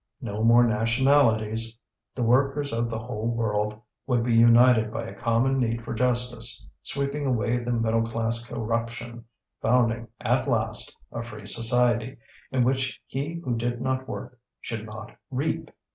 No more nationalities. The workers of the whole world would be united by a common need for justice, sweeping away the middle class corruption, founding, at last, a free society, in which he who did not work should not reap!